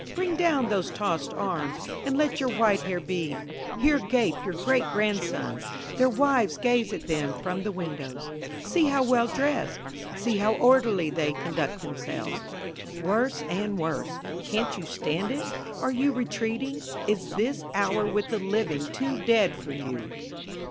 Bring down those tossed arms, and let your white hair be; Here gape your great grand sons their wives gaze at them from the windows, See how well dressed see how orderly they conduct themselves. Worse and worse! Can't you stand it? Are you retreating? Is this hour with the living too dead for you?